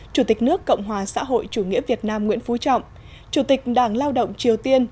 chủ tịch nước cộng hòa xã hội chủ nghĩa việt nam nguyễn phú trọng chủ tịch đảng lao động triều tiên